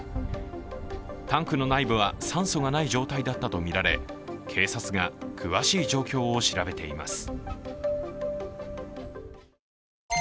タンクの内部は酸素がない状態だったとみられ警察が詳しい状況を調べています。